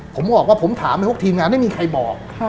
ผมบอกว่าผมถามเลยว่าทีมงานไม่มีใครบอก